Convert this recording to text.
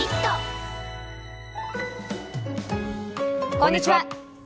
こんにちは。